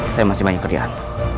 saya masih banyak kerjaan